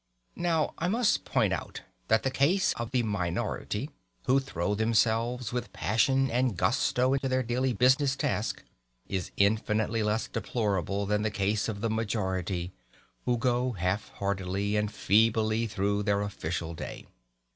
Now I must point out that the case of the minority, who throw themselves with passion and gusto into their daily business task, is infinitely less deplorable than the case of the majority, who go half heartedly and feebly through their official day.